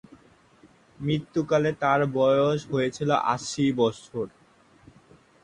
মৃত্যুকালে তার বয়স হয়েছিল আশি বছর।